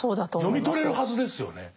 読み取れるはずですよね。